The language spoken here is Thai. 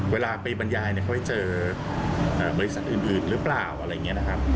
เวลาไปบรรยายเขาไปเจอบริษัทอื่นหรือเปล่าอะไรอย่างนี้นะครับ